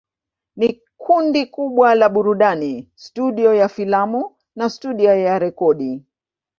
Ni kundi kubwa la burudani, studio ya filamu na studio ya rekodi.